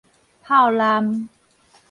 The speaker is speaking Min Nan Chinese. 炮艦